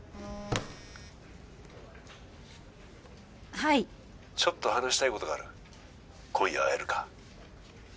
はい☎ちょっと話したいことがある今夜会えるか？